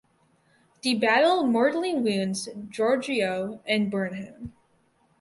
The battle mortally wounds Georgiou and Burnham.